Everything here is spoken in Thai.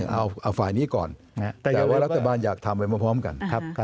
เอาฝ่ายนี้ก่อนแต่ว่ารัฐบาลอยากทำไปพร้อมกัน